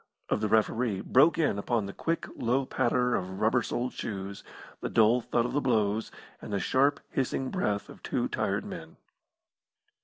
of the referee broke in upon the quick, low patter of rubber soled shoes, the dull thud of the blows, and the sharp, hissing breath of two tired men.